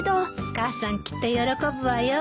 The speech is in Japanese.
母さんきっと喜ぶわよ。